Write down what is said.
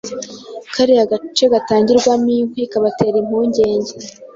kariya gace gatangirwamo inkwi kabatera impungenge